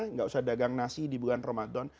nggak usah dagang nasi di bulan ramadan